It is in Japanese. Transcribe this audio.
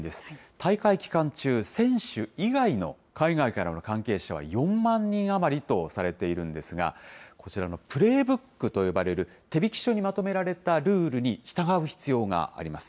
大会期間中、選手以外の海外からの関係者は４万人余りとされているんですが、こちらのプレーブックと呼ばれる手引書にまとめられたルールに従う必要があります。